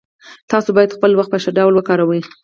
تاسو باید خپل وخت په ښه ډول وکاروئ